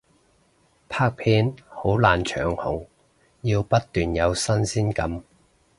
拍片好難長紅，要不斷有新鮮感